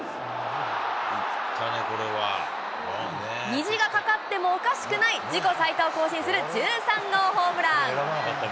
虹が架かってもおかしくない自己最多を更新する１３号ホームラン。